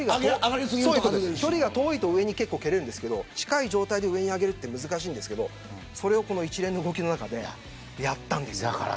距離が遠いと上に蹴れるんですけど近い状態で上に上げるのは難しいんですけどそれをこの一連の流れでやっていたんです。